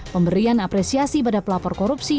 pemberian apresiasi pada pelapor korupsi